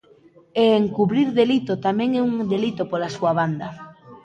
E encubrir delito tamén é un delito pola súa banda.